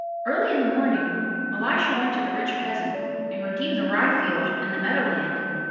'* Early in the morning Elisha went to the rich peasant and redeemed the rye field and the meadow land.